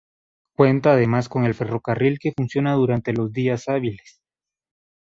Cuenta además con el ferrocarril que funciona durante los días hábiles.